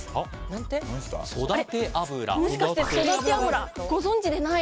もしかして育て油ご存じでない？